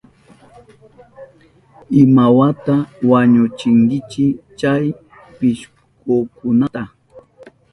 ¿Imawata wañuchinkichi chay pishkukunata?